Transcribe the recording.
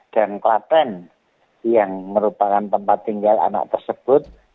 dan klaten yang merupakan tempat tinggal anak tersebut